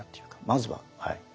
まずははい。